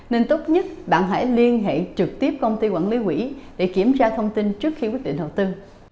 nên tốt nhất bạn hãy liên hệ trực tiếp công ty quản lý quỹ để kiểm tra thông tin trước khi quyết định đầu tư